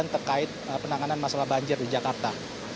terkait penanganan masalah banjir di jakarta